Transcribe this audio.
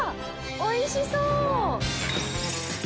おいしそう！